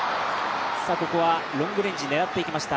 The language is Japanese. ここはロングレンジを狙っていきました